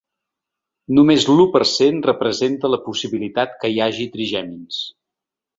Només l’u per cent representa la possibilitat que hi hagi trigèmins.